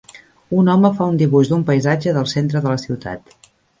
Un home fa un dibuix d'un paisatge del centre de la ciutat.